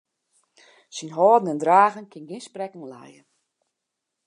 Syn hâlden en dragen kin gjin sprekken lije.